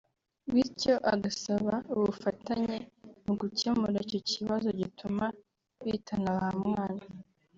bityo agasaba ubufatanye mu gukemura icyo kibazo gituma bitana bamwana